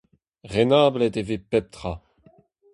Renablet e vez pep tra.